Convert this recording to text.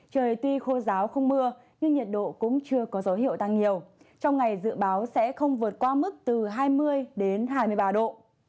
trời tuy khô giáo không mưa nhưng nhiệt độ cũng chưa có dấu hiệu tăng nhiều trong ngày dự báo sẽ không vượt qua mức từ hai mươi đến hai mươi ba độ